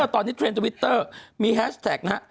ตอนนี้เทรนดทวิตเตอร์มีแฮชแท็กนะฮะ